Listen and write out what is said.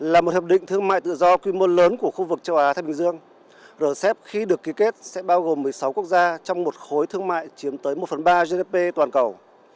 là một hợp định thương mại tự do quy mô lớn của khu vực châu á thái bình dương rcep khi được ký kết sẽ bao gồm một mươi sáu quốc gia trong một khối thương mại chiếm tới một phần ba gdp toàn cầu